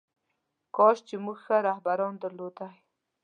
کاش چې موږ ښه رهبران درلودلی.